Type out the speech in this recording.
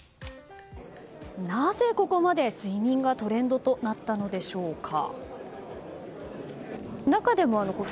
なぜここまで、睡眠がトレンドとなったのでしょうか。